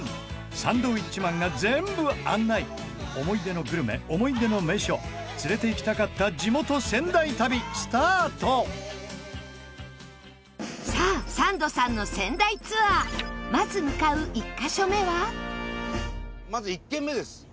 サンドウィッチマンが全部案内思い出のグルメ、思い出の名所連れていきたかった地元・仙台旅スタートさあ、サンドさんの仙台ツアーまず向かう１カ所目はまず１軒目です。